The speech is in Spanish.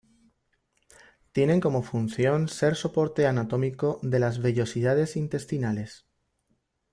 Tienen como función ser soporte anatómico de las vellosidades intestinales.